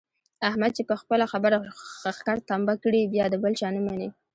احمد چې په خپله خبره ښکر تمبه کړي بیا د بل چا نه مني.